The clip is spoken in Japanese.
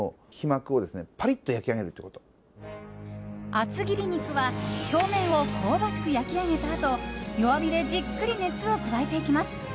厚切り肉は表面を香ばしく焼き上げたあと弱火でじっくり熱を加えていきます。